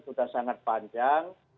sudah sangat panjang